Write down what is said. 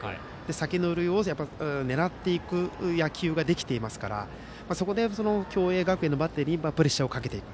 先の塁を狙っていく野球ができていますからそこで共栄学園のバッテリーにプレッシャーをかけていく。